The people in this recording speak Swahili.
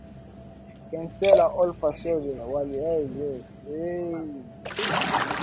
Kansela Olaf Scholz aliwakaribisha viongozi wenzake kutoka Canada